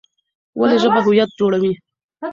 ولې ژبه هویت جوړوي؟